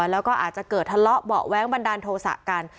แล้วก็อาจจะเกิดทะเลาะเบาะแว้งบันดาลโทษะกัน